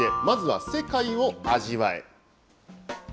まずは世界を味わえ。